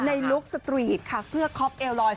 ลุคสตรีทค่ะเสื้อคอปเอลลอย